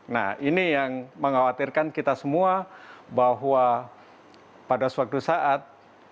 nah ini yang mengkhawatirkan kita semua bahwa pada suatu saat